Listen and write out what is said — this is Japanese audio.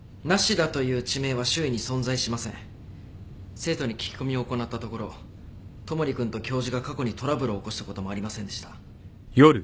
生徒に聞き込みを行ったところ戸守君と教授が過去にトラブルを起こしたこともありませんでした。